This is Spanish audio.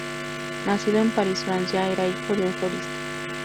Nacido en París, Francia, era hijo de un florista.